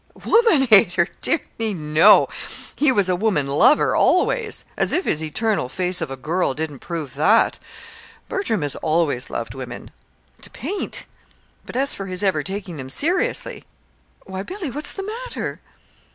"'Woman hater' dear me, no! He was a woman lover, always. As if his eternal 'Face of a Girl' didn't prove that! Bertram has always loved women to paint. But as for his ever taking them seriously why, Billy, what's the matter?"